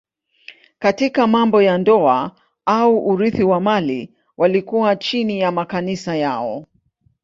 Katika mambo ya ndoa au urithi wa mali walikuwa chini ya makanisa yao.